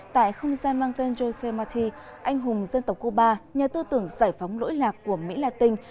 tại không gian mang tên jose marti anh hùng dân tộc cuba nhờ tư tưởng giải phóng lỗi lạc của mỹ latin